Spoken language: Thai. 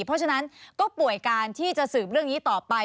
เพราะฉะนั้นก็ป่วยการที่จะสืบเรื่องนี้ต่อไป